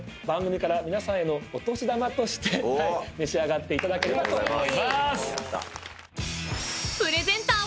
番組から皆さんへのお年玉として召し上がっていただければと思います。